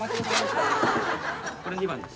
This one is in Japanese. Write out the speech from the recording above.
これ２番です。